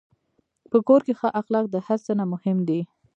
په کور کې ښه اخلاق د هر څه نه مهم دي.